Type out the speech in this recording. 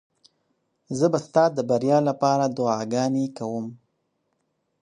زه به ستا د بریا لپاره دعاګانې کوم.